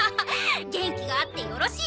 元気があってよろしい！